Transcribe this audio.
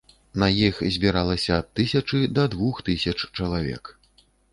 На іх збіралася ад тысячы да двух тысяч чалавек.